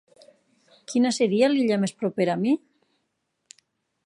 Quina seria l'illa més propera a mi?